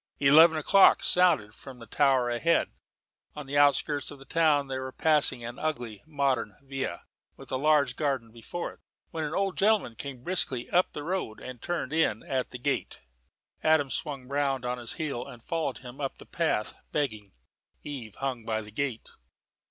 Eleven o'clock sounded from a tower ahead. On the outskirts of the town they were passing an ugly modern villa with a large garden before it, when an old gentleman came briskly up the road and turned in at the gate. Adam swung round on his heel and followed him up the path, begging. Eve hung by the gate.